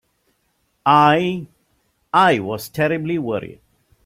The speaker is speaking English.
I—I was terribly worried.